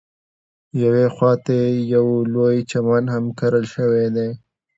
یوې خواته یې یو لوی چمن هم کرل شوی دی.